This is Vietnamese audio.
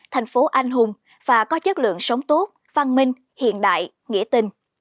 thành phố anh hùng và có chất lượng sống tốt văn minh hiện đại nghĩa tình